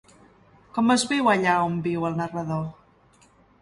Com es viu allà on viu el narrador?